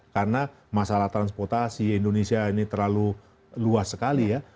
karena masalah transportasi indonesia ini terlalu luas sekali ya